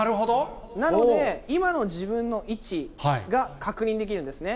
なので、今の自分の位置が確認できるんですね。